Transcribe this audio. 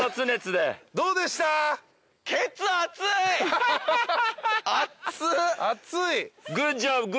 熱い。